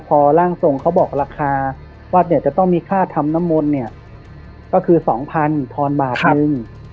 พอร่างทรงเขาบอกราคาว่าจะต้องมีค่าธรรมน้ำมนต์ก็คือ๒๐๐๐ธนบาทหนึ่ง